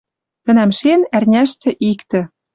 Тӹнӓмшен ӓрняштӹ иктӹ